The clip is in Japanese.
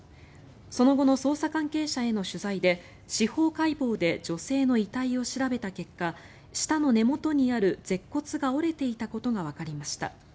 その後の捜査関係者への取材で司法解剖で女性の遺体を調べた結果舌の根元にある舌骨が折れていたことがわかりました。